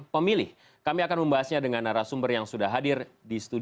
politik yang merasa benar sendiri